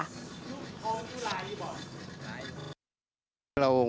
พฤติพงษ์นุชนาธิ์ผู้บังคับการตำรวจสอบพอุบลราชธานี